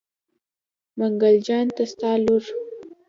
منګل جان ته ستا لور.